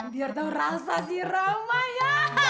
biar tau rasa si rama ya